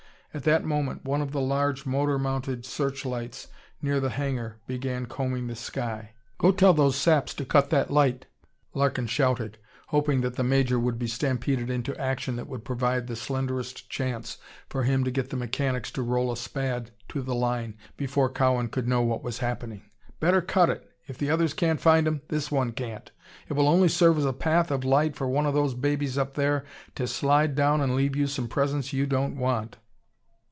At that moment one of the large motor mounted searchlights near the hangar began combing the sky. "Go tell those saps to cut that light!" Larkin shouted, hoping that the Major would be stampeded into action that would provide the slenderest chance for him to get the mechanics to roll a Spad to the line before Cowan could know what was happening. "Better cut it! If the others can't find 'em, this one can't. It will only serve as a path of light for one of those babies up there to slide down and leave you some presents you don't want."